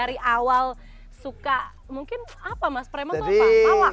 dari awal suka mungkin apa mas preman pensiun